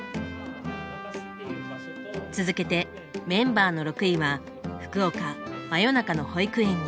続けてメンバーの６位は「福岡真夜中の保育園」に。